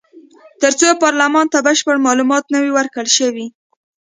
تر څو پارلمان ته بشپړ معلومات نه وي ورکړل شوي.